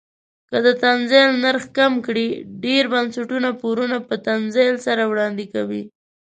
که د تنزیل نرخ کم کړي ډیر بنسټونه پورونه په تنزیل سره وړاندې کوي.